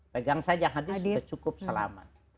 pegang saja hadis sudah cukup selamat